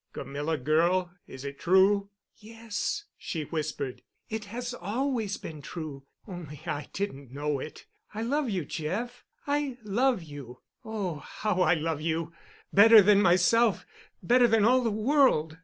"Camilla, girl. Is it true?" "Yes," she whispered, "it has always been true—only I didn't know it. I love you, Jeff. I love you—oh, how I love you! Better than myself—better than all the world.